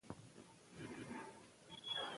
علم او دعاء چې هرڅومره ډیر استعمالوې نو نه کمېږي